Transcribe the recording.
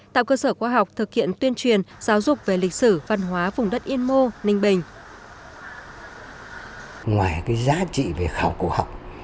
tạo cơ sở khoa học thực hiện tuyên truyền giáo dục về lịch sử văn hóa vùng đất yên mô ninh bình